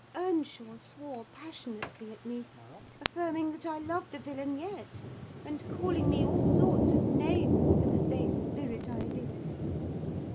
Earnshaw swore passionately at me: affirming that I loved the villain yet; and calling me all sorts of names for the base spirit I evinced.